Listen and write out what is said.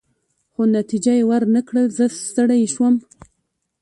خو نتیجه يې ورنه کړل، زه ستړی شوم.